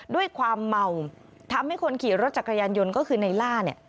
ด้วยความเมาทำให้คนขี่รถจักรยานยนต์ก็คือในล่าเนี่ย